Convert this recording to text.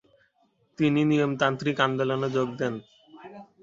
তিনি নিয়মতান্ত্রিক আন্দোলনে যােগ দেন।